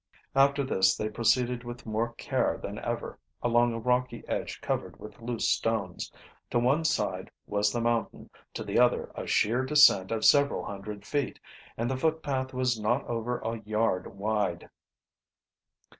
After this they proceeded with more care than ever along a rocky edge covered with loose stones. To one side was the mountain, to the other a sheer descent of several hundred feet, and the footpath was not over a yard wide.